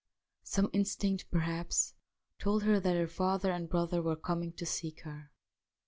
Some instinct, perhaps, told her that her father and brother were coming to seek her.